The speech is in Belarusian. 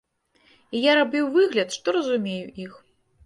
І я рабіў выгляд, што разумею іх.